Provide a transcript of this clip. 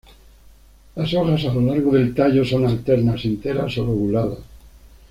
Las hojas a lo largo del tallo son alternas, enteras o lobuladas.